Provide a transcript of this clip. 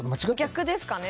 逆ですかね